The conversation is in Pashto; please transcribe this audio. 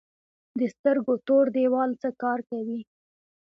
د سترګو تور دیوال څه کار کوي؟